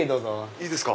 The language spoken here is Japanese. いいですか。